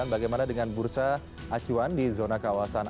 bagaimana dengan bursa acuan di zona kawasan